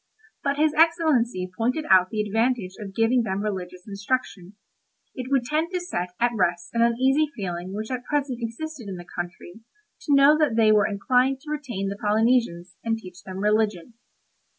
But his Excellency pointed out the advantage of giving them religious instruction. It would tend to set at rest an uneasy feeling which at present existed in the country to know that they were inclined to retain the Polynesians, and teach them religion."